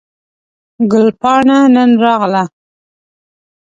ګل پاڼه نن راغله